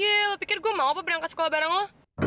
yel pikir gue mau apa berangkat sekolah bareng lo